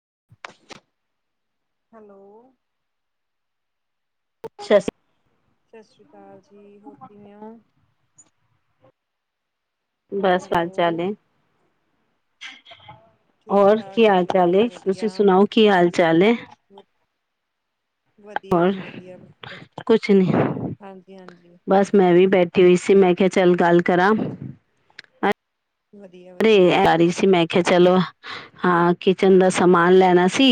[inaudible] Hello! [unintelligible] ਸਤਿ ਸ੍ਰੀ ਅਕਾਲ ਜੀ, ਹੋਰ ਕਿਵੇਂ ਓ? ਬਸ ਹੈਲੋ [unintelligible] [inaudible] ਠੀਕ ਔਰ ਠਾਕ ਕੀ ਹਾਲ ਜੀ ਚਾਲ ਏ, ਵਧੀਆ ਤੁਸੀਂ ਵਧੀਆ ਸੁਣਾਓ ਕੀ ਹਾਲ ਚਾਲ ਏ? [unintelligible] ਵਧੀਆ ਹੋਰ ਜੀ ਵਧੀਆ ਵਧੀਆ। ਕੁਛ ਨੀ, ਹਾਂਜੀ ਹਾਂਜੀ ਬਸ ਮੈਂ ਵੀ ਬੈ ਠੀ ਹੋਈ ਸੀ, ਮੈਂ ਕਿਹਾ ਚੱਲ ਗੱਲ ਕਰਾਂ। [unintelligible] ਵਧੀਆ ਵਧੀਆ ਆਖਿਆ ਚਲੋ ਹਾਂ, ਕਿਚਨ ਦਾ ਸਮਾਨ ਲੈਣਾ ਸੀ।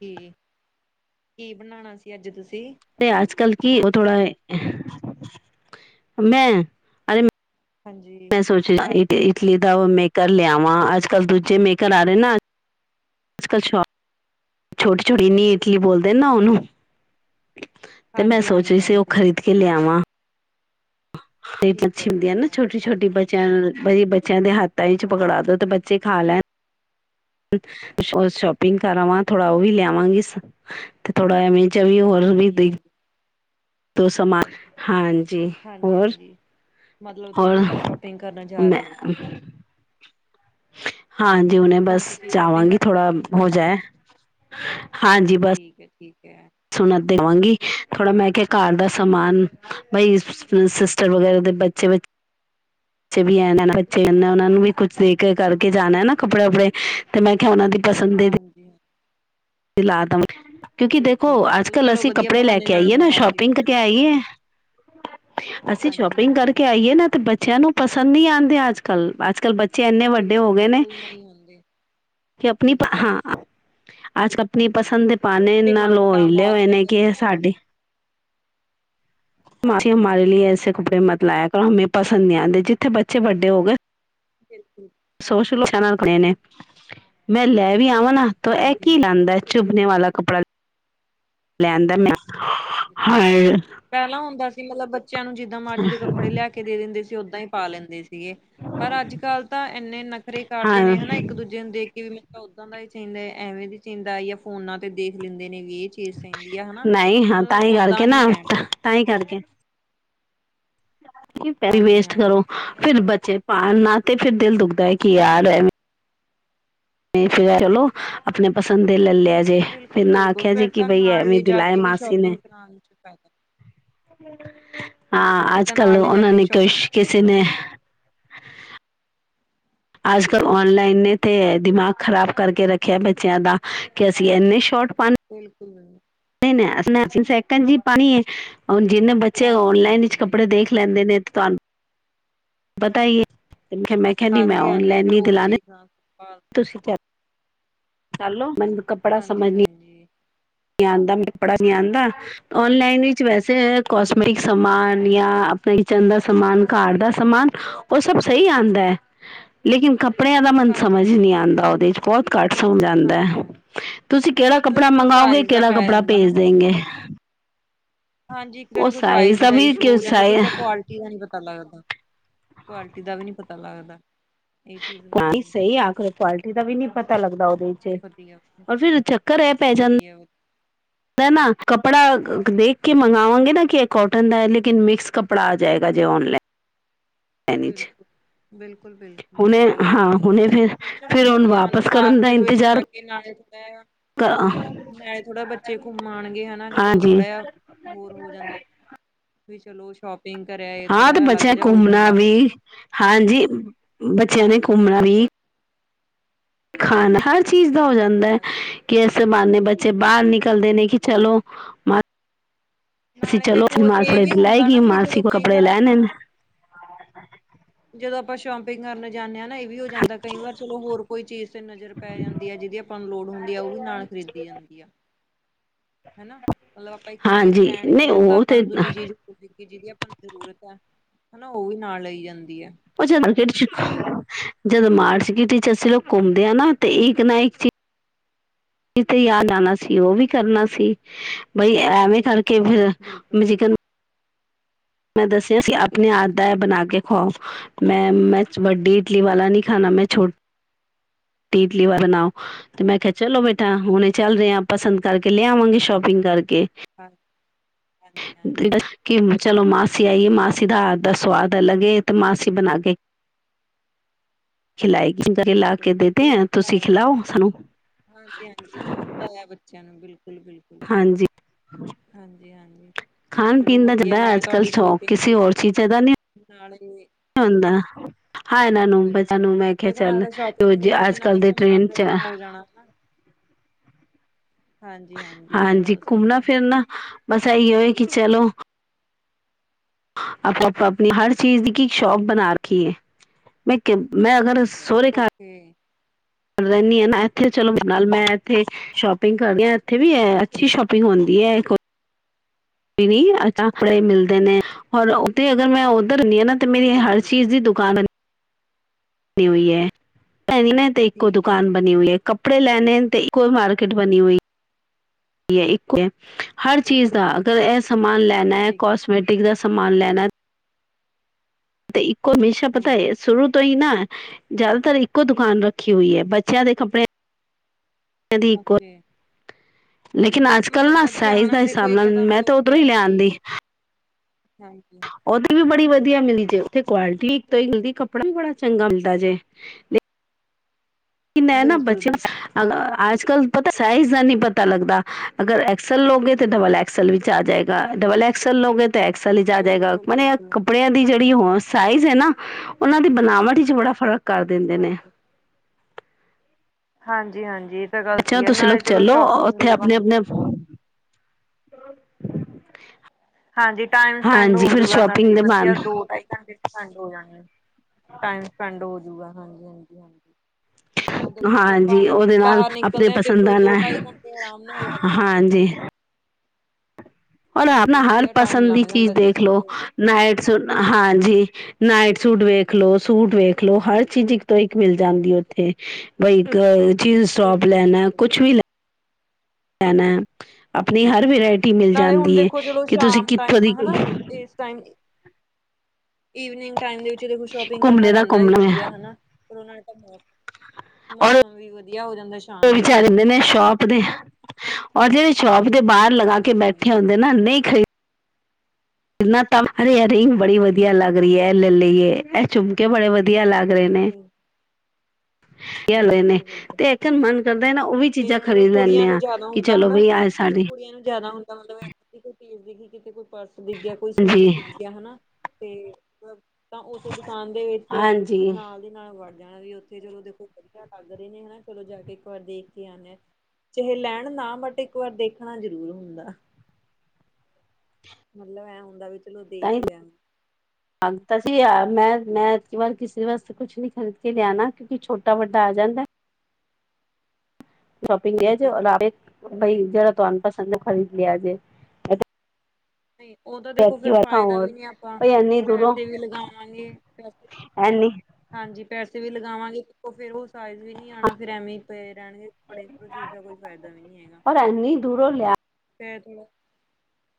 ਕੇ, ਕੀ ਬਣਾਣਾ ਸੀ ਅੱਜ ਤੁਸੀਂ? ਤੇ ਅੱਜ-ਕੱਲ੍ਹ ਕੀ, ਉਹ ਥੋੜ੍ਹਾ ਇਹ ਮੈਂ। ਅਰੇ ਹਾਂਜੀ ਮੈਂ ਸੋਚਿਆ ਹਾਂਜੀ ਇਟਲੀ ਦਾ ਮੇਕਰ ਲਿਆਵਾਂ। ਅੱਜਕੱਲ੍ਹ ਦੂਜੇ ਮੇਕਰ ਆ ਰਹੇ ਨਾ। ਅੱਜ -ਕੱਲ ਸ਼ੋ ਛੋਟੀ- ਛੋਟੀ ਨੀ ਇਟਲੀ ਬੋਲਦੇ ਨਾ ਉਹਨੂੰ। ਤੇ ਮੈਂ ਹਾਂਜੀ ਸੋਚ ਰਹੀ ਹਾਂਜੀ ਸੀ ਉਹ ਹਾਂਜੀ ਖਰੀਦ ਕੇ ਲਿਆਵਾਂ। ਠੀਕ ਹੈ ਤੇਛਮਦੀਆਂ ਠੀਕ ਨਾ ਹੈ ਛੋਟੀ -ਛੋਟੀ ਬੱਚਿਆਂ ਨੂੰ ਬੱਚਿਆਂ ਦੇ ਹੱਥਾਂ ਹੀ ਚ ਪਕੜਾ ਦੋ ਤੇ ਬਚ ਬੱਚੇ ਖਾ ਲੈਣ। ਸ਼ੋਪਿੰਗ ਕਰ ਆਵਾਂ ਥੋੜਾ ਉਹ ਵੀ ਲੈ ਆਵਾਗੀ ਤੇ ਥੋੜਾ ਐ ਵੀ ਚ ਵੀ ਹੋਰ ਚਲੋ ਵੀ ਵਧੀਆ ਤੇਈ। ਵਧੀਆ ਤ ਸਮਾਨ ਹਾਂਜੀ, ਹਾਂਜੀ ਹੋਰ- ਹਾਂਜੀ ਮਤਲਬ ਹੋਰ ਤੁਸੀਂ ਹੁਣ ਸ਼ੋਪਿੰਗ ਕਰਨ ਜਾ ਮੈਂ। ਰਹੇ ਸੀਗੇ ਹਾਂਜੀ, ਹੁਣੇ ਹੁਣ ਬਸ ਤੁਸੀਂ ਸ਼ੋਪਿੰਗ ਜਾਵਾਂਗੀ ਕਰਨ ਜਾ ਥੋੜਾ ਰਹੇ। ਹੋ ਜਾਏ ਹਾਂਜੀ। ਠੀਕ ਹੈ -ਠੀਕ ਹੈ। ਸੁਣਾ ਦੇਵਾਂਗੀ ਥੋੜਾ ਮੈਂ ਕਿਹਾ ਘਰ ਦਾ ਸਮਾਨ ਬਈ ਸਿਸਟਰ ਵਗੈਰਾ ਦੇ ਬੱਚੇ ਬੱਚੇ ਬੱਚੇ ਵੀ ਆਣਾ ਬੱਚੇ ਉਹਨਾਂ ਨੂੰ ਵੀ ਕੁੱਛ ਦੇ -ਕੇ ਕਰਕੇ ਜਾਣਾ ਨਾ ਕੱਪੜੇ -ਕੁੱਪੜੇ। ਤੇ ਮੈਂ ਕਿਹਾ ਉਹਨਾਂ ਦੀ ਪਸੰਦੀ ਦੇ। ਹਾਂਜੀ ਦਿਲਾ ਦਵਾਂ, ਕਿਉਂਕਿ ਦੇਖੋ ਬਿਲਕੁਲ ਅੱਜ ਬਿਲਕੁਲ -ਕੱਲ ਚਲੋ ਅਸੀਂ ਵਧੀਆ ਕੱਪੜੇ ਬਹਾਨੇ ਲੈਕੇ ਨਾਲ ਆਈਏ ਨਾ ਬਾਹਰ ਸ਼ੋਪਿੰਗ ਜਿਹੜਾ ਆਈਏ, ਅਸੀਂ ਹਾਂਜੀ ਸ਼ੋਪਿੰਗ ਹਾਂਜੀ ਕਰਕੇ ਆਈਏ ਨਾ ਤੇ ਬੱਚਿਆਂ ਨੂੰ ਪਸੰਦ ਨਹੀਂ ਆਉਂਦੇ ਅੱਜਕੱਲ੍ਹ -ਅੱਜਕੱਲ੍ਹ ਬੱਚੇ ਇੰਨੇ ਵੱਡੇ ਹੋ ਬਿਲਕੁਲ ਗਏ ਨੇ ਬਿਲਕੁਲ ਨਹੀਂ ਹੁੰਦੇ। ਕਿ ਆਪਣੀ ਬਿਲਕੁਲ ਹਾਂ। ਅੱਜ ਆਪਣੀ ਪਸੰਦ ਹਾਂਜੀ ਦੇ ਪਾ ਨੇ ਇਹਨਾਂ ਨੂੰ ਡਿਮਾਂਡਾਂ ਹਿੱਲੇ ਬਹੁਤ ਹੋਏ ਨੇ ਕਿ ਬੱਚਿਆਂ ਦੀਆਂ ਸਾਡੇ [unintelligible] ਹਾਂਜੀ ਹਾਂਜੀ ਕੱਪੜੇ ਮਤ ਲਾਇਆ ਕਰੋ। ਹਮੇ ਪਸੰਦ ਨਹੀਂ ਆਉਂਦੇ ਜਿੱਥੇ ਬੱਚੇ ਵੱਡੇ ਹੋ ਗਏ। ਬਿਲਕੁੱਲ। [unintelligible] ਮੈਂ ਲੈ ਵੀ ਆਵਾਂ ਨਾ ਤਾਂ ਇਹ ਹਾਂਜੀ ਕੀ ਹਾਂਜੀ ਲਾਦਾ। ਚੁਭਨੇ ਵਾਲਾ ਕੱਪੜਾ। ਲਿਆਂਦਾ ਮੈਂ। [inaudible] [unintelligible] ਪਹਿਲਾਂ ਹੁੰਦਾ ਸੀ ਮਤਲਬ ਬੱਚਿਆਂ ਨੂੰ ਜਿੱਦਾਂ ਮਰਜ਼ੀ ਦੇ ਕੱਪੜੇ ਲਿਆ ਕੇ ਦੇ ਦਿੰਦੇ ਸੀ ਓਦਾਂ ਹੀ ਪਾ ਲੈਂਦੇ ਸੀ। ਪਰ ਅੱਜ ਕੱਲ੍ਹ ਤਾਂ ਇੰਨੇ ਨਖਰੇ ਹਾਂ ਕਰਦੇ ਨੇ ਹਨਾ ਇੱਕ ਦੂਜੇ ਨੂੰ ਦੇਖ ਕੇ ਵੀ ਮਤਲਬ ਓਦਾਂ ਦਾ ਹੀ ਚਾਹੀਦਾ ਹੈ ਐਵੇਂ ਦੀ ਚਾਹੀਦਾ ਜਾਂ ਫੋਨਾਂ ਤੇ ਦੇਖ ਲੈਂਦੇ ਨੇ ਵੀ ਇਹ ਚੀਜ਼ ਚਾਹੀਦੀ ਆ ਹਨਾ ਨਹੀਂ ਹਾਂ ਤਾਂ ਮਤਲਬ ਓਦਾਂ ਕਰਕੇ ਹੀ ਨਾ ਕਹਿਣ। ਤਾਂ ਹੀ ਕਰਕੇ। ਪੈਸੇ ਹਾਂਜੀ ਵੇਸਟ ਕਰੋ, ਹਾਂਜੀ ਫਿਰ ਬੱਚੇ ਪਾਣ ਨਾ ਤੇ ਫਿਰ ਦਿਲ ਦੁਖਦਾ ਹੈ ਕਿ ਯਾਰ ਐਵੇ। ਫਿਰ ਚਲੋ ਆਪਣੇ ਪਸੰਦ ਦੇ ਲੈ ਲਿਆ। ਜੇ ਫਿਰ ਬਿਲਕੁੱਲ- ਨਾ ਬਿਲਕੁੱਲ ਆਖਿਆ ਜੇ ਫਿਰ ਕਿ ਤਾਂ ਬਈ ਨਾਲ ਐਵੇਂ ਲਿਜਾ ਦਿਲਾਏ ਕੇ ਹੀ ਮਾਸੀ ਨੇ ਸ਼ੋਪਿੰਗ ਕਰਾਉਣ ਵਿੱਚ ਫ਼ਾਇਦਾ। ਹਾਂਜੀ ਹਾਂ ਫਿਰ ਅੱਜ ਤਾਂ ਕੱਲ ਨਾਲ ਲਿਜਾ ਉਹਨਾਂ ਕੇ ਹੀ ਨੇ ਸ਼ੋਪਿੰਗ ਕੁਛ ਕਿਸੇ ਨੇ ਹਾਂਜੀ ਅੱਜਕੱਲ੍ਹ ਔਨਲਾਈਨ ਨੇ। ਤੇ ਦਿਮਾਗ ਖ਼ਰਾਬ ਕਰਕੇ ਰੱਖਿਆ ਬੱਚਿਆਂ ਦਾ ਕਿ ਅਸੀਂ ਇੰਨੇ ਸ਼ੋਟ ਪਾ ਬਿਲਕੁੱਲ ਮੈਮ। [unintelligible] ਹੁਣ ਜਿੰਨੇ ਬੱਚੇ ਹਾਂਜੀ ਔਨਲਾਈਨ ਚ ਹਾਂਜੀ ਕੱਪੜੇ ਦੇਖ ਲੈਂਦੇ ਨੇ ਤੇ ਦੁਕਾ [unintelligible] ਹਾਂਜੀ-ਹਾਂਜੀ ਔਨਲਾਈਨ ਫ਼ਿਰ ਨੀ ਉਹੀ ਦਿਲਾਣੇ ਚੀਜ਼ ਹਾਂ। ਤੁਸੀਂ ਚਲ ' [unintelligible] ' ਕਰ ਲਓ ਮੈਨੂੰ ਹਾਂਜੀ-ਹਾਂਜੀ। ਨਹੀਂ ਆਂਦਾ, ਕੱਪੜਾ ਨਹੀਂ ਆਂਦਾ ਔਨਲਾਈਨ ਵਿੱਚ ਵੈਸੇ ਕੋਸਮੈਟਿਕ ਬਿਲਕੁਲ ਸਮਾਨ ਆਪਣਾ ਕਿਚਨ ਦਾ ਸਮਾਨ, ਘਰ ਦਾ ਸਮਾਨ ਉਹ ਸਭ ਸਹੀ ਆਂਦਾ ਹੈ। ਲੇਕਿਨ ਕੱਪੜਿਆਂ ਦਾ ਮਨ ਹਾਂਜੀ ਸਮਝ ਹਾਂਜੀ ਨਹੀਂ ਕੱਪੜੇ ਆਂਦਾ, ਦਾ ਨੀ ਉਹਦੇ 'ਚ' ਬਹੁਤ ਘੱਟ ਸਮਝ ਆਂਦਾ। ਹਾਂਜੀ ਹਾਂਜੀ ਤੁਸੀਂ ਕਿਹੜਾ ਇੱਕ ਤਾਂ ਕੱਪੜਾ ਦੇਖੋ ਮੰਗਾਓਗੇ? ਸਾਈਜ਼ ਦਾ ਕਿਹੜਾ ਪੈ ਕੱਪੜਾ ਜਾਂਦਾ ਨਾ ਭੇਜ ' [inaudible] ਦੇਂਗੇ ' ਹਾਂਜੀ। ਫਿਰ ਇੱਕ ਸਾਈਜ਼ ਦਾ ਇਸ਼ੂ ਹੋ ਜਾਂਦਾ, ਦੂਜਾ ਕੁਆਲਟੀ ਦਾ ਨਹੀਂ ਪਤਾ ਲੱਗਦਾ ' [inaudible] ' ਕੁਆਲਿਟੀ ਦਾ ਵੀ ਨੀ ਪਤਾ ਲੱਗਦਾ ਇਹ ਚੀਜ਼ ਜਾਂਦੀ ਸਹੀ ਆਖਰ ਕੁਆਲਿਟੀ ਦਾ ਵੀ ਨਹੀਂ ਪਤਾ ਲੱਗਦਾ ਉਹਦੇ 'ਚ' ਵਧੀਆ ਔਰ ਫਿਰ ਚੱਕਰ ਇਹ ਪੈ ਜਾਂਦਾ। ਵਧੀਆ ਨਾ ਕੱਪੜਾ ਦੇਖ ਕੇ ਮੰਗਵਾਂਗੇ ਨਾ ਕੀ ਕੌਟਨ ਦਾ ਐ, ਲੇਕਿਨ ਮਿਕਸ ਕੱਪੜਾ ਆ ਜਾਏਗਾ ਜੇ ਔਨਲਾਈਨ' ' [inaudible] ਬਿਲਕੁਲ। ਬਿਲਕੁਲ-ਬਿਲਕੁਲ ਇਹ ਹੁਣੇ ਤਾਂ ਗੱਲ ਹਾਂ ਸਹੀ ਐ ਹੁਣੇ ਤੁਹਾਡੀ ਫਿਰ ਚਲੋ ਫਿਰ ਹੁਣ ਵਧੀਆ ਹੈਨਾ ਵਾਪਸ ਕਰਨ ਦਾ ਮਾਰਕੀਟ ਵਿਚ ਇੰਤਜ਼ਾਰ ਨਾਲੇ ਥੋੜਾ ਜਿਹਾ ' [inaudible] ' ਨਾਲੇ ਥੋੜਾ ਬੱਚੇ ਘੁੰਮ ਆਉਣਗੇ ਹਨਾ ਚਲੋ ਹਾਂਜੀ ਥੋੜ੍ਹਾ ਜਿਹਾ ਹੋਰ ਹੋ ਜਾਂਦਾ ਵੀ ' [inaudible] ' ਵੀ ਚਲੋ ਸ਼ੋਪਿੰਗ ਕਰਿਆ ਹਾਂ ਥੋੜਾ ਤੇ ਜਿਹਾ ਅਲੱਗ ਬੱਚਿਆਂ ਜਿਹਾ ਹੋ ਘੁੰਮਣਾ ਜਾਂਦਾ। ਵੀ ਹਾਂਜੀ ' [inaudible] ' ਬੱਚਿਆਂ ਨੇ ਹਾਂਜੀ। ਘੁੰਮਣਾ ਵੀ ਖਾਣਾ ਹਰ ਚੀਜ਼ ਦਾ ਹੋ ਖਾਣਾ ਜਾਂਦਾ ਪੀਣਾ ਵੀ ਜਾਂਦਾ ਕਿ ਐਸੇ ਬਿਲਕੁਲ ਬਹਾਨੇ ਬੱਚੇ ਬਾਹਰ ਨਿਕਲਦੇ ਬਿਲਕੁਲ ਨੇ ਕਿ ਜੀ ਚਲੋ ' [unintelligible] ', ' [inaudible] ' ਨਾਲੇ ਚਲੋ ਆਪਣੀ ਦੇਖੋ ਇਹ ਵੀ ਹੁੰਦਾ ਨਾ ਮਾੜੀ ਵੀ ਜਦੋਂ ਮਾਸੀ ਕੋ ਕਈ ਵਾਰ ਲੈਣੇ ਆਪਾਂ ਜਦੋਂ ਆਪਾਂ ਸ਼ੌਪਿੰਗ ਕਰਨ ਜਾਂਦੇ ਆ ਨਾ ਵੀ ਹੋ ਜਾਂਦਾ ਕਈ ਵਾਰ ਚਲੋ ਹੋਰ ਕੋਈ ਚੀਜ਼ ਤੇ ਨਜ਼ਰ ਪੈ ਜਾਂਦੀ ਐ ਜਿਹਦੀ ਆਪਾਂ ਨੂੰ ਲੋੜ ਹੁੰਦੀ ਆ ਉਹ ਵੀ ਨਾਲ ਖਰੀਦੀ ਜਾਂਦੀ ਆ। ਹਨਾ, ਮਤਲਬ ਆਪਾਂ ਇੱਕ ਚੀਜ਼ ਹਾਂਜੀ ਨਹੀਂ ਲੈਣਗੀਆਂ ਤਾਂ ਉਹ ਆਪਾਂ ਤੇ ਨੂੰ ਦੂਜੀ ਚੀਜ਼ ਹੋ ਕਿ ਜਿਹਦੀ ਆਪਾਂ ਨੂੰ ਜ਼ਰੂਰਤ ਆ ਹਨਾ, ਉਹ ਵੀ ਨਾਲ ਲਈ ਜਾਂਦੀ ਐ। ਉਹ 'ਚ', 'ਚ' ਜਦ ਮਾਰਚ ਗਿਟ 'ਚ' ਅਸੀਂ ਘੁੰਮਦੇ ਆ ਨਾ ਤੇ ਇੱਕ ਨਾ ਇੱਕ ਚੀ ' [inaudible] ' ਕਿਥੇ ਯਾਦ ਆਣਾ ਸੀ ਉਹ ਵੀ ਕਰਨਾ ਸੀ, ਬਈ ਐਵੇਂ ਕਰਕੇ ' [inaudible] ' ਬਿਲਕੁਲ। ਬਿਲਕੁਲ ਜੀ ਫਿਰਿਕਨ ਮੈਂ ਦੱਸਿਆ ਕਿ ਆਪਣੀ ਆਦ ਦਾ ਬਣਾ ਕੇ ਖੁਓ ਮੈਂ-ਮੈਂ ਵੱਡੀ ਇਡਲੀ ਵਾਲਾ ਨਹੀਂ ਹਾਂ। ਖਾਣਾ ਮੈਂ ' [inaudible] ' ਛ ਇਡਲੀ ਵਾਲਾ ਬਣਾਉ ਤੇ ਮੈਂ ਕਿਹਾ ਚਲੋ ਬੇਟਾ ਹੁਣੇ ਚੱਲਦੇ ਆ, ਪਸੰਦ ਕਰਕੇ ਲਿਆਵਾਂਗੇ ਸ਼ੋਪਿੰਗ ਕਰਕੇ ' [unintelligible] ਕਿ ਚਲੋ ਮਾਸੀ ਆਈਏ, ਮਾਸੀ ਦਾ ਹੱਥ ਦਾ ਸਵਾਦ ਅਲੱਗ ਏ ਮਾਸੀ ਬਣਾ ਗ ਖਲਾਈ। ਬਿਲਕੁਲ-ਬਿਲਕੁਲ ਹੁੰਦਾ ਆ ' ਸਾਨੂੰ [inaudible] ' ਹਾਂਜੀ-ਹਾਂਜੀ ਹੁੰਦਾ ਆ। ਚੀਆ ਨੂੰ, ਬਿਲਕੁਲ-ਬਿਲਕੁਲ। ਹਾਂਜੀ। ਹਾਂਜੀ-ਹਾਂਜੀ। ਚਲੋ ਖਾਣ-ਪੀਣ ਦਾ ਜਿਦਾ ਵਧੀਆ ਅੱਜ-ਕੱਲ੍ਹ ਸ਼ੌਂਕ ਕਿਸੇ ਹੋਰ ਚੀਜ਼ਾਂ ਦਾ ਨਹੀਂ ਨਾਲ਼ੇ ਹੁੰਦਾ ਐ ਹਾਂ ਇਹਨਾਂ ਨੂੰ ਬੱਚਿਆਂ ਨੂੰ ਮੈਂ ਕਿਹਾ ਦੇਖੋ ਨਾਲੇ ਚੱਲ ਤਾਂ ਸ਼ੋਪਿੰਗ ਦੂਜੇ ਹੋਜੂਗੀ ਨਾਲੇ ਅੱਜ-ਕੱਲ੍ਹ ਦੇ ਟਰੈਂਡ 'ਚ' ਘੁੰਮਣਾ-ਫਿਰਨਾ ਹੋ ਜਾਣਾ ਹਨਾ। ਹਾਂਜੀ-ਹਾਂਜੀ ਇਹ ਤਾਂ ਹਾਂਜੀ ਗੱਲ ਸਹੀ ਘੁੰਮਣਾ ਆ। ਫਿਰਨਾ ਬੱਸ ਇਹੀ ਓਏ ਕਿ ਚਲੋ ਆਪ-ਆਪ ਆਪਣੀ ਹਰ ਚੀਜ਼ ਕੀ ਸ਼ੌਕ ਬਣਾ ਰੱਖੀਏ, ਮੈਂ ਮੈਂ ਅਗਰ ਸੋਹਰੇ ਘਰ ਫੇਰ ਰਹਿੰਣੀ ਆ ਨਾ ਇੱਥੇ ਚਲ ਮੇਰੇ ਨਾਲ ਮੈਂ ਇੱਥੇ ਸ਼ੋਪਿੰਗ ਕਰਦੇ ਆ ਇੱਥੇ ਵੀ ਐ ਅੱਛੀ ਸ਼ੋਪਿੰਗ ਹੁੰਦੀ ਐ। ਵੀ ਨ ਅੱਛੇ ਕੱਪੜੇ ਮਿਲਦੇ ਨੇ ਹੋਰ ਉੱਥੇ ਅਗਰ ਮੈਂ ਉੱਧਰ ਹੁੰਣੀ ਨਾ। ਤੇ ਮੇਰੀ ਹਰ ਹਾਂਜੀ ਚੀਜ਼ ਦੀ ਦੁਕਾਨ ਬਣੀ ਹੋਈ ਐ। ਇਹ ਵੀ ਨਾ ਤੇ ਇੱਕੋ ਠੀਕ ਹੈ, ਦੁਕਾਨ ਠੀਕ ਬਣੀ ਹੋਈ ਹੈ, ਐ। ਕੱ ਕੱਪੜੇ ਲੈਣੇ ਤੇ ਇੱਕੋ ਹੀ ਮਾਰਕੀਟ ਬਣੀ ਹੋਈ ਐ। [inaudible] ਇੱਕੋ ਹਰ ਚੀਜ਼ ਦਾ ਓਕੇ, ਅਗਰ ਇਹ ਸਮਾਨ ਲੈਣਾ ਆ ਠੀਕ ਹੈ, ਕਾਸਮੈਟਿਕ ਦਾ ਸਮਾਨ ਲੈਣਾ ਤੇ ਇੱਕੋ ਹਮੇਸ਼ਾ ਪਤਾ ਹਾਂਜੀ। ਐ ਸ਼ੁਰੂ ਤੋਂ ਹੀ ਨਾ ਜਿਆਦਾਤਰ ਇੱਕੋ ਦੁਕਾਨ ਰੱਖੀ ਹੋਈ ਐ। ਬੱਚਿਆਂ ਦੇ ਕੱਪੜੇ ਓਕੇ। ਲੇਕਿਨ ਆ ਮਤਲਬ ਵਧੀਆ ਹਨਾ। ਦੇਖੋ ਇੱਕ ਤਾਂ ਮਤਲਬ ਉੱਥੇ ਉੱਧਰੋਂ ਹੀ ਆਪਣੀ ਲਿਆਂਦੀ [inaudible] ਹਾਂਜੀ। ਉਹਦੀ ਵੀ ਬੜੀ ਵਧੀਆ ਮਿਲੀ ਜੇ ਉਥੇ ਕੁਆਲਿਟੀ ਵਧੀਆ ਮਿਲਦੀ ਕੱਪੜਾ ਵੀ ਬੜਾ ਚੰਗਾ ਮਿਲਦਾ। ਜੇ ਕਿ ਮੈਂ ਨਾ ਬਿਲਕੁਲ-ਬਿਲਕੁਲ, ਬੱਚਿਆਂ ਅੱਜ-ਕੱਲ੍ਹ ਪਤਾ ਸਾਈਜ ਦਾ ਨਹੀਂ ਪਤਾ ਲੱਗਦਾ। ਅਗਰ ਐਕਸਲ ਲੋਗੇ ਡਬਲ ਐਕ ਐਕਸਲ ਵਿਚ ਆ ਜਾਏਗਾ, ਡਬਲ ਐਕਸਲ ਲਓਗੇ ਤਾਂ ਐਕਸਲ ਵਿਚ ਆ ਜਾਏਗਾ। ਮਨੇ ਬਿਲਕੁਲ-ਬਿਲਕੁਲ। ਕੱਪੜਿਆਂ ਦੀ ਜਿਹੜੀ ਉਹ ਸਾਈਜ਼ ਐ ਨਾ ਉਹਨਾਂ ਦੀ ਬਣਾਵਟ ਵਿੱਚ ਬੜਾ ਫ਼ਰਕ ਕਰ ਦਿੰਦੇ ਨੇ। ਹਾਂਜੀ -ਹਾਂਜੀ। ਤਾਂ ਗੱਲ ਬੱਚਿਆਂ ਸਹੀ ਹੈ ਤੁਸੀਂ [unintelligible] ਨਾਲੇ ਚਲੋ ਸ਼ੋਪਿੰਗ ਉੱਥੇ ਦੇ ਬਹਾਨੇ ਆਪਣੇ-ਆਪਣੇ [inaudible] ਹਾਂਜੀ ਟਾਈਮ ਸਪੈਂਡ ਹਾਂਜੀ ਫਿਰ ਹੋਜੂਗਾ ਨਾਲੇ ਸ਼ੋਪਿੰਗ ਦੇ ਬਾਅਦ ਵਧੀਆ ਦੋ-ਢਾਈ ਘੰਟੇ ਸਪੈਂਡ ਹੋ ਜਾਣੀ ਟਾਈਮ ਸਪੈਂਡ ਹੋਜੂਗਾ ਹਾਂਜੀ-ਹਾਂਜੀ ਹਾਂਜੀ। ਮਤਲਬ ਦੇਖੋ ਜੇ ਆਪਾਂ ਹਾਂਜੀ ਉਹਦੇ ਨਾਲ ਬਾਹਰ ਆਪਣੇ ਨਿਕਲਦੇ ਹਾਂ ਪਸੰਦ ਦੇਖੋ ਦਾ ਦੋ ਨਾ ਢਾਈ ਘੰਟੇ ਅਰਾਮ ਨਾਲ ਲੱਗ ਜਾਣ। ਹਾਂਜੀ। ਔਰ ਆਪ ਹਾਂਜੀ ਨਾ ਹਰ ਵਧੀਆ ਟਾਈਮ ਪਸੰਦ ਦੀ ਲੰਘ ਚੀਜ਼ ਜਾਂਦਾ ਜਦੋਂ ਦੇਖ ਸਪੈਂਡ ਲੋੋ ਹੁੰਦਾ ਨਾਈਟ ਸੂਟ ਹਾਂਜੀ। ਨਾਈਟ ਸੂਟ ਵੇਖ ਲੋ ਸੂਟ ਵੇਖ ਲੋ ਹਰ ਚੀਜ਼ ਇੱਕ ਤੋਂ ਇੱਕ ਮਿਲ ਜਾਂਦੀ। ਉੱਥੇ ਬਈ ਇਕ ਚੀਜ਼ ਸੋਪ ਬਿਲਕੁਲ ਲੈਣਾ ਬਿਲਕੁਲ ਕੁਛ ਵੀ ਲੈ ਲੈਣਾ। ਆਪਣੀ ਹਾਂਜੀ ਹਰ ਹਾਂਜੀ ਵਰਾਇਟੀ ਮਿਲ ਨਾਲੇ ਹੁਣ ਜਾਂਦੀ ਐ। ਦੇਖੋ ਚਲੋ ਕਿ ਤੁਸੀਂ ਸ਼ਾਮ ਕਿੱਥੋਂ ਟਾਈਮ ਦੀ [inaudible] ਹਨਾ ਇਸ ਟਾਈਮ ਈਵਨਿੰਗ ਟਾਈਮ ਦੇ ਵਿੱਚ ਦੇਖੋ ਸ਼ੋਪਿੰਗ ਕਰਨਾ ਘੁੰਮਣੇ ਦਾ ਰਹਿੰਦਾ ਵੀ ਘੁੰਮਣਾ ਹੈ ਵਧੀਆ ਹਨਾ। ਚਲੋ ਨਾਲੇ ਤਾਂ ਮੌਸਮ। ਔਰ ਮੌਸਮ ਵੀ ਵਧੀਆ ਹੋ ਜਾਂਦਾ ਸ਼ਾਮ ਦੇ ਵਿਚਾਰੇ ਟਾਈਮ। ਹੁੰਦੇ [inaudible] ਔਰ ਜਿਹੜੇ ਸ਼ੋਪ ਦੇ ਬਾਹਰ ਲਗਾ ਕੇ ਹਾਂਜੀ ਹਾਂਜੀ ਬੈਠੇ ਹੁੰਦੇ ਨਾ। ਨਹੀਂ ਖਰੀ ਕਿੰਨਾ ਤਾਂ ਅਰੇ ਇਹ ਰਿੰਗ ਬੜੀ ਵਧੀਆ ਲੱਗ ਰਹੀ ਏ ਲੈ ਲਈਏ। ਇਹ ਝੁਮਕੇ ਬੜੇ ਵਧੀਆ ਲਗ ਰਹੇ ਨੇ ਬਿਲਕੁਲ [inaudible] ਇਹ ਲਏ ਨੇ ਬਿਲਕੁਲ ਬਿਲਕੁਲ 'ਤੇ ਤੇ ਮਨ ਕਰਦਾ ਐ ਨਾ ਉਹ ਵੀ ਚੀਜ਼ਾਂ ਤੇ ਮਤਲਬ ਖਰੀਦ ਕੁੜੀਆਂ ਲੈਂਨੇ ਨੂੰ ਆਂ। ਜ਼ਿਆਦਾ ਕਿ ਹੁੰਦਾ ਚਲੋ ਹਨਾ ਬਈ ਆਏ ਸਾਰੀ ਕੁੜੀਆਂ ਨੂੰ ਜ਼ਿਆਦਾ ਹੁੰਦਾ ਮਤਲਬ ਕੋਈ ਚੀਜ਼ ਦਿਖੀ ਕਿਤੇ ਕੋਈ ਪਰਸ ਦਿਖ ਗਿਆ ਕੋਈ ਸੂਟ ਹਾਂਜੀ ਦਿਖ ਗਿਆ ਹਨਾ। 'ਤੇ ਮਤਲਬ ਤਾਂ ਉਸੇ ਦੁਕਾਨ ਦੇ ਵਿੱਚ ਹਾਂਜੀ ਨਾਲ ਦੀ ਨਾਲ ਵੜ ਜਾਣਾ ਵੀ ਉੱਥੇ ਚਲੋ ਦੇਖੋ ਵਧੀਆ ਲੱਗ ਰਹੇ ਨੇ ਹਨਾ। ਚਲੋ ਜਾ ਕੇ ਇਕ ਵਾਰ ਦੇਖ ਕੇ ਆਨੇ ਆ ਚਾਹੇ ਲੈਣ ਨਾ ਬਟ ਇੱਕ ਵਾਰ ਦੇਖਣਾ ਜ਼ਰੂਰ ਹੁੰਦਾ। [inaudible] ਮਤਲਬ ਐ ਹੁੰਦਾ ਵੀ ਚਲੋ ਦੇਖ ਲਿਆ। [inaudible] ਆਖ ਤਾਂ ਜੀ ਮੈਂ, ਮੈਂ ਐਤਕੀਂ ਵਾਰ ਕਿਸੇ ਵਾਸਤੇ ਕੁਛ ਨਹੀਂ ਖਰੀਦ ਕੇ ਲਿਆਣਾ ਕਿਉਂਕਿ ਛੋਟਾ ਵੱਡਾ ਆ ਜਾਂਦਾ। ਸ਼ੋਪਿੰਗ ਗਿਆ ਜੇ ਬਿਲਕੁਲ ਔਰ ਆਪੇ ਬਈ ਜਿਹੜਾ ਤੁਹਾਨੂੰ ਪਸੰਦ ਐ ਉਹ ਖਰੀਦ ਲਿਆ ਜੇ ਨਹੀਂ ਉਹ ਤਾਂ ਦੇਖੋ ਐਤਕੀ ਫਿਰ ਵਾਰ ਫਾਇਦਾ ਹੋਰ ਵੀ ਨੀ ਆਪਾਂ ਬਈ ਇੰਨੀ ਪੈਸੇ ਵੀ ਲਗਾਵਾਂਗੇ ਪੈਸੇ ਹੈ ਨਹੀਂ ਹਾਂਜੀ, ਪੈਸੇ ਵੀ ਲਗਾਵਾਂਗੇ ਫਿਰ ਉਹ ਸਾਈਜ਼ ਵੀ ਨਹੀਂ ਆਣਾ ਫਿਰ ਐਵੇਂ ਪਏ ਰਹਿਣਗੇ ਕੱਪੜੇ ਫਿਰ ਉਹ ਚੀਜ਼ ਦਾ ਕੋਈ ਫਾਇਦਾ ਵੀ ਨਹੀਂ ਹੈਗਾ। ਐਨੀ ਦੂਰੋਂ ਲਿਆ। ਮੈਂ ਤੈਨੂੰ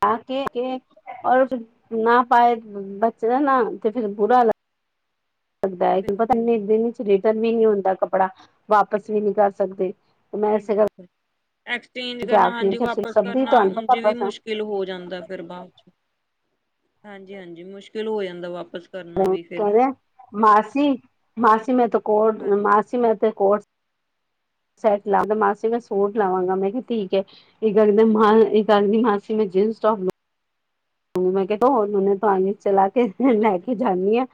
ਆ ਕੇ, ਇਹ ਔਰ ਫਿਰ ਨਾ ਪਾਏ ਬੱਚੇ ਦਾ ਨਾ 'ਤੇ ਫਿਰ ਬੁਰਾ ਲੱ [inaudible] ਦਾ ਹੈ, ਕਿਉਂ ਪਤਾ ਬਿਲਕੁਲ ਕਿੰਨੇ ਦਿਨ 'ਚ ਰਿਟਨ ਵੀ ਨੀ ਹੁੰਦਾ ਕੱਪੜਾ ਵਾਪਿਸ ਵੀ ਨਹੀਂ ਕਰ ਸਕਦੇ। ਤੇ ਮੈਂ ਇਸੇ ਬਿਲਕੁਲ ਐਕਸਚੇਂਜ ਕਰਕੇ ਕਰਨਾ ਆਖਦੀ ਹਾਂਜੀ, ਵਾਪਿਸ ਸਬਦੀ ਕਰਨਾ ਤੁਹਾਨੂੰ ਉਝ ਪਤਾ ਵੀ ਮੁਸ਼ਕਿਲ ਪਸੰਦ ਮੁਸਕਿਲ ਹੋ ਜਾਂਦਾ ਫਿਰ ਬਾਅਦ 'ਚ [inaudible] ਹਾਂਜੀ-ਹਾਂਜੀ ਮੁਸ਼ਕਿਲ ਹੋ ਜਾਂਦਾ ਵਾਪਿਸ ਕਹ ਮਾਸੀ -ਮਾਸੀ ਮੈਂ ਤੇ ਕੋਟ ਹਾਂਜੀ ਮਾਸੀ ਤੇ ਕੋਟ ਸੈੱਟ ਲਾਵਾਂ ਮਾ ਸੂਟ ਲਾਵਾਂਗਾ ਮੈਂ ਕਿਹਾ ਠੀਕ ਐ। ਇੱਕ ਗੱਲ ਇੱਕ ਮਾਂਸੀ ਮੈਂ ਜੀਨਸ ਟੋਪ ਮੈਂ ਕਿਹਾ [unintelligible] ਪਾਣੀ ਚਲਾ ਕੇ ਫਿਰ ਲੈ ਕੇ ਜਾਂਦੀ ਆਂ।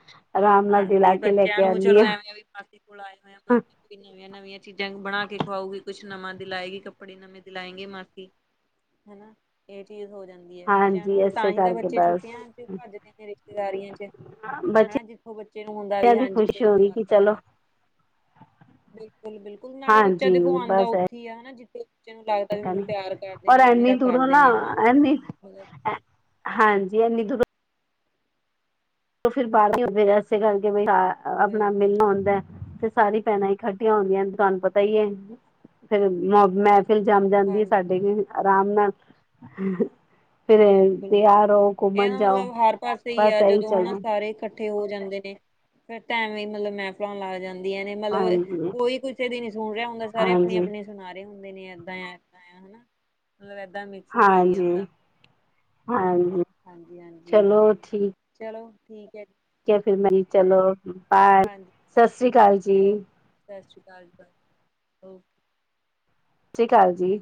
ਹਾਂਜੀ ਬੱਚਿਆਂ ਨੂੰ ਚਲੋ ਐਵੇਂ ਵੀ ਮਾਸੀ ਕੋਲ ਆਏ ਹੋਏ ਆ ਕੋਈ ਨਵੀਆਂ-ਨਵੀਆਂ ਚੀਜ਼ਾਂ ਬਣਾ ਕੇ ਖਵਾਊਗੀ ਕੁਛ ਨਵਾਂ ਦਿਲਾਏਗੀ ਕੱਪੜੇ ਨਵੇਂ ਦਿਲਾਏਂ ਗੇ ਮਾਸੀ। ਹਨਾ ਇਹ ਚੀਜ਼ ਹੋ ਜਾਂਦੀ ਆ। ਬੱਚਿਆਂ ਹਾਂਜੀ ਨੂੰ ਤਾਂ ਇਸੇ ਹੀ ਤਾਂ ਕਰਕੇ ਬੱਚੇ ਬਸ ਛੁੱਟੀਆਂ ਭੱਜਦੇ ਨੇ ਰਿਸ਼ਤੇਦਾਰੀਆਂ 'ਚ ਹਨਾ ਬੱਚਿਆਂ ਬੱਚੇ ਨੂੰ ਹੁੰਦਾ ਵੀ ਦੀ ਹਾਂਜੀ ਖੁਸ਼ੀ ਕੋਈ ਹੋ ਗਈ ਪਿਆਰ ਕਿ ਚਲੋ ਕਰਦਾ ਬਿਲਕੁਲ -ਬਿਲਕੁਲ ਨਾਲੇ ਬੱਚਾ ਹਾਂਜੀ ਦੇਖੋ ਆਉਂਦਾ ਬਸ ਉੱਥੇ ਆ ਹਨਾ ਜਿੱਥੇ ਬੱਚੇ ਨੂੰ ਲੱਗਦਾ ਵੀ ਮੈਨੂੰ ਪਿਆਰ ਕਰਦੇ ਔਰ ਨੇ ਇਨੀ ਮੇਰਾ ਦੂਰੋਂ ਕਰਦੇ ਹਨਾ ਨੇ ਇਨੀ ਮਤਲਬ ਹਾਂਜੀ ਇਨੀ ਦੂਰੋਂ ਫਿਰ ਬਾਹਰ ਇਸੇ ਕਰਕੇ ਆਪਣਾ ਬਿਲਕੁਲ ਮਿਲਣਾ ਆਉਂਦਾ ਤੇ ਸਾਰੀ ਭੈਣਾਂ ਇਕਖੱਠੀਆਂ ਹੁੰਦੀਆਂ ਤੁਹਾਨੂੰ ਪਤਾ ਹੀ ਐ ਫੇਰ ਮੈਂ ਫਿਲ ਜੰਮ ਜਾਂਦੀ ਐ ਹਾਂਜੀ ਸਾਡੇ ਆਰਾਮ ਨਾਲ [unintelligible] ਫਿਰ ਬਿਲਕੁਲ ਤਿਆਰ ਬਿਲਕੁਲ ਹੋ ਘੁੰਮਣ ਇਹਦਾ ਜਾਉ ਮਤਲਬ ਹਰ ਪਾਸੇ ਹੀ ਬਸ ਆ ਇਹੀ ਜਦੋਂ ਹਨਾ ਚੱਲਦਾ ਸਾਰੇ ਇਕੱਠੇ ਹੋ ਜਾਂਦੇ ਨੇ ਫਿਰ ਤੇ ਐਂਵੀ ਵੀ ਮਤਲਬ ਮਹਿਫਲਾ ਲੱਗ ਜਾਂਦੇ ਜਾਂਦੀਆਂ ਨੇ ਮਤਲਬ ਹਾਂਜੀ ਕੋਈ ਕਿਸੇ ਦੀ ਨੀ ਸੁਣ ਰਿਹਾ ਹੁੰਦਾ ਸਾਰੇ ਆਪਣੀ ਹਾਂਜੀ -ਆਪਣੀ ਸੁਣਾ ਰਹੇ ਹੁੰਦੇ ਨੇ ਏਦਾਂ ਆ ਏਦਾਂ ਆ ਹਨਾ ਏਦਾਂ ਮ ਹਾਂਜੀ [inaudible] ਹਾਂਜੀ ਹਾਂਜੀ- ਹਾਂਜੀ ਚਲੋ ਠੀਕ ਚਲੋ ਠੀਕ ਕੇ ਫਿਰ ਮੈਂ ਚਲੋ। ਬਾਏ ਹਾਂਜੀ ਸਤਿ ਸ੍ਰੀ ਠੀਕ ਅਕਾਲ ਜੀ, ਓਕੇ ਸਤਿ ਸ਼੍ਰੀ ਅਕਾਲ ਸਰ ਓਕੇ। ਸਤਿ ਸ਼੍ਰੀ ਅਕਾਲ ਜੀ।